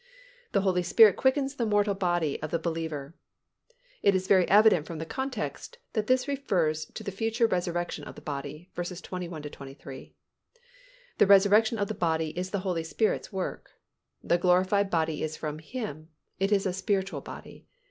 The Holy Spirit quickens the mortal body of the believer. It is very evident from the context that this refers to the future resurrection of the body (vs. 21 23). The resurrection of the body is the Holy Spirit's work. The glorified body is from Him; it is "a spiritual body."